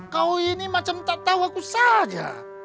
kau ini macam tak tahu aku saja